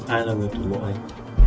ai là người tuyệt mộng anh